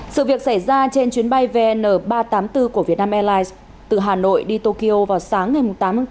sự việc xảy ra trên chuyến bay vn ba trăm tám mươi bốn của vietnam airlines từ hà nội đi tokyo vào sáng ngày tám tháng bốn